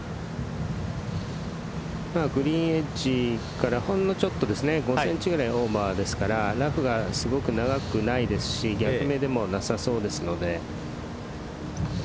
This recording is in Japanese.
グリーンエッジからほんのちょっと５センチぐらいオーバーですからラフがすごく長くないですし逆目でもなさそうですので。